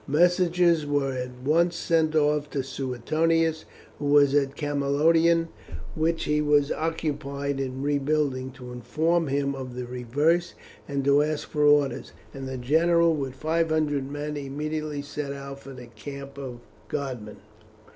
Messengers were at once sent off to Suetonius, who was at Camalodunum, which he was occupied in rebuilding, to inform him of the reverse, and to ask for orders, and the general with five hundred men immediately set out for the camp of Godman.